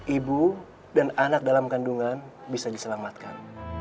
ibu dan anak dalam kandungan bisa diselamatkan